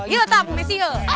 yuk tak bu messi yuk